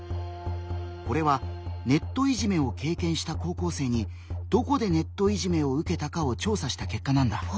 これはネットいじめを経験した高校生に「どこでネットいじめを受けたか」を調査した結果なんだ。